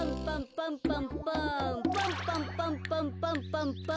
パンパンパンパンパンパンパン。